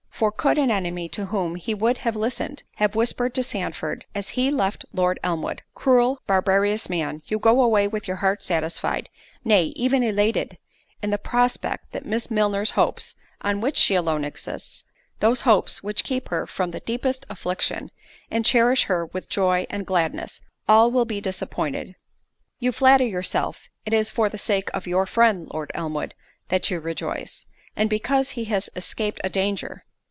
For could an enemy to whom he would have listened, have whispered to Sandford as he left Lord Elmwood, "Cruel, barbarous man! you go away with your heart satisfied, nay, even elated, in the prospect that Miss Milner's hopes, on which she alone exists, those hopes which keep her from the deepest affliction, and cherish her with joy and gladness, will all be disappointed. You flatter yourself it is for the sake of your friend, Lord Elmwood, that you rejoice, and because he has escaped a danger.